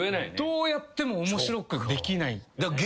どうやっても面白くできない。